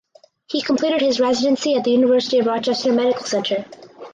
He completed his residency at the University of Rochester Medical Center.